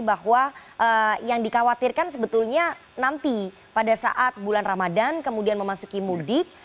bahwa yang dikhawatirkan sebetulnya nanti pada saat bulan ramadan kemudian memasuki mudik